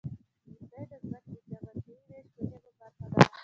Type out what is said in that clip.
• غونډۍ د ځمکې د جغرافیوي ویش مهمه برخه ده.